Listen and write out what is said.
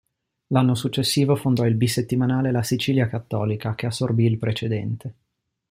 L'anno successivo fondò il bisettimanale "La Sicilia cattolica", che assorbì il precedente.